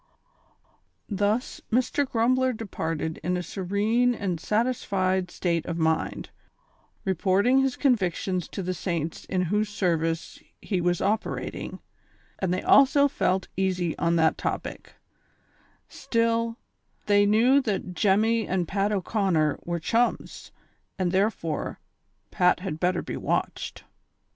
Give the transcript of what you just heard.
Thus, Mr. Grumbler departed in a serene and satisfied state of mind, reporting his convictions to the saints in whose service he was operating, and they also felt easy on that topic ; still, they knew that Jemmy and Pat O'Conner were chmus, and therefore Pat had better be watched.